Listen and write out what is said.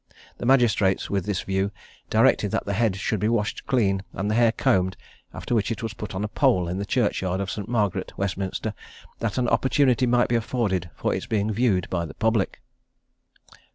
The magistrates, with this view, directed that the head should be washed clean, and the hair combed; after which it was put on a pole in the churchyard of St. Margaret, Westminster, that an opportunity might be afforded for its being viewed by the public.